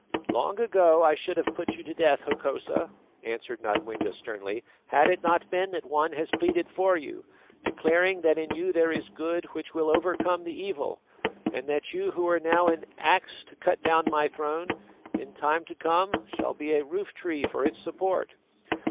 "Long ago I should have put you to death, Hokosa," answered Nodwengo sternly, "had it not been that one has pleaded for you, declaring that in you there is good which will overcome the evil, and that you who now are an axe to cut down my throne, in time to come shall be a roof tree for its support.